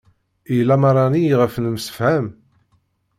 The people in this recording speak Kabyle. I lamara-ni i ɣef nemsefham?